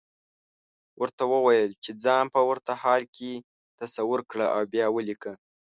ورته وويل چې ځان په ورته حال کې تصور کړه او بيا وليکه.